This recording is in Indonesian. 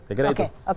saya kira itu